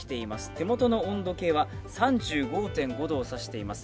手元の温度計は３５．５度を指しています。